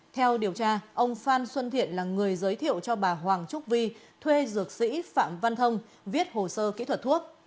theo điều tra ông phan xuân thiện là người giới thiệu cho bà hoàng trúc vi thuê dược sĩ phạm văn thông viết hồ sơ kỹ thuật thuốc